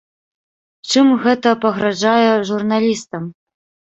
Чым гэта пагражае журналістам?